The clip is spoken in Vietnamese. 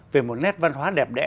về một nét văn hóa đẹp đẽ